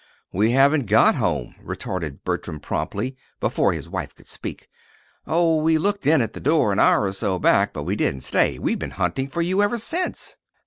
"We haven't got home," retorted Bertram, promptly, before his wife could speak. "Oh, we looked in at the door an hour or so back; but we didn't stay. We've been hunting for you ever since."